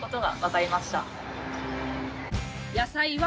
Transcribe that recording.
野菜は。